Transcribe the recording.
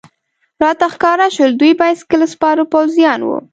راته ښکاره شول، دوی بایسکل سپاره پوځیان و.